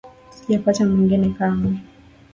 Sijapata mwingine kamwe.